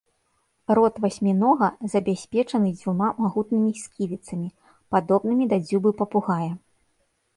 Рот васьмінога забяспечаны дзвюма магутнымі сківіцамі, падобнымі да дзюбы папугая.